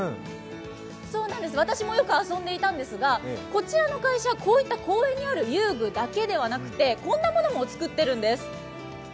私もよく遊んでいたんですが、こちらの会社はこういった公園にある遊具だけではなくてこんなものも作ってるんです。